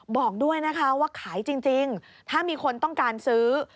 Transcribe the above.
บอกด้วยนะคะว่าขายจริงถ้ามีคนต้องการซื้อ